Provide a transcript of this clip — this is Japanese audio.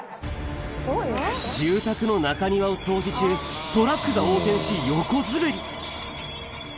住宅の中庭を掃除中、トラックが横転し横滑り。